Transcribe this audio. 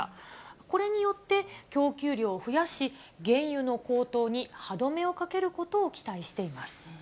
これによって、供給量を増やし、原油の高騰に歯止めをかけることを期待しています。